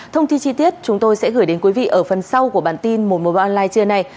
thông tin chi tiết chúng tôi sẽ gửi đến quý vị ở phần sau của bản tin một trăm một mươi ba online trưa nay